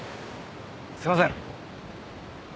すみません！